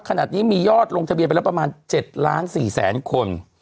ขนาดนี้มียอดลงทะเบียนไปแล้วประมาณ๗ล้าน๔แสนคน